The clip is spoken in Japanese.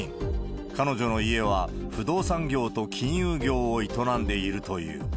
彼女の家は不動産業と金融業を営んでいるという。